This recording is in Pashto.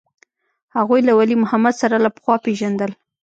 هغوى له ولي محمد سره له پخوا پېژندل.